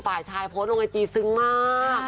ปลาชายโพสต์ลงอาจีซึงมาก